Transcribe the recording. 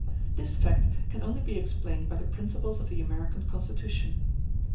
This fact can only be explained by the principles of the American constitution.